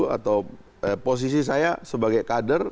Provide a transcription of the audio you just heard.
atau posisi saya sebagai kader